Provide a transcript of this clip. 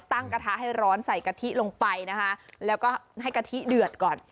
กระทะให้ร้อนใส่กะทิลงไปนะคะแล้วก็ให้กะทิเดือดก่อน